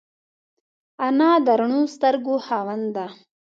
انا د روڼو سترګو خاوند ده